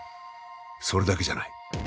それだけじゃない。